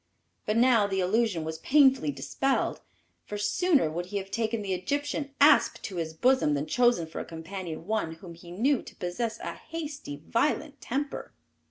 But now the illusion was painfully dispelled, for sooner would he have taken the Egyptian asp to his bosom than chosen for a companion one whom he knew to possess a hasty, violent temper.